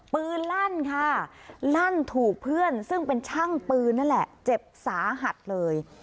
ลั่นค่ะลั่นถูกเพื่อนซึ่งเป็นช่างปืนนั่นแหละเจ็บสาหัสเลย